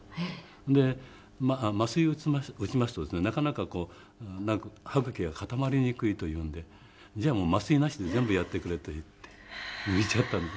で麻酔打ちますとですねなかなか歯茎が固まりにくいというのでじゃあもう麻酔なしで全部やってくれっていって抜いちゃったんで。